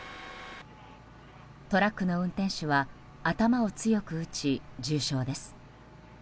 トラックの運転手は頭を強く打ち重傷です。